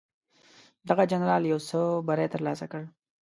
دغه جنرال یو څه بری ترلاسه کړ.